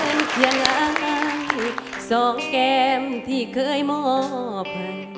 เป็นเพียงไห้สองแก้มที่เคยมอบให้